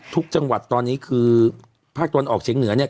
ทุกจังหวัดตอนนี้คือภาคตะวันออกเฉียงเหนือเนี่ย